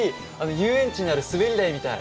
遊園地にある滑り台みたい。